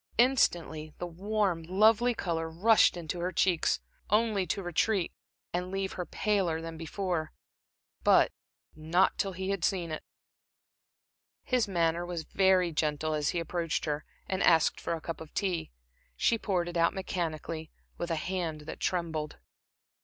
Instantly the warm, lovely color rushed into her cheeks, only to retreat, and leave her paler than before but not till he had seen it. His manner was very gentle as he approached her and asked for a cup of tea. She poured it out mechanically, with a hand that trembled.